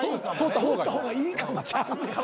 「通った方がいいか」もちゃうねん。